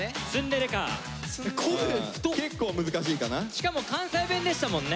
しかも関西弁でしたもんね。